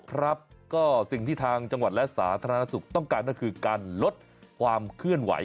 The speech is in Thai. ครับก็สิ่งที่ทางจังหวัดและสาธารณสุขต้องการก็คือการลดความเคลื่อนไหว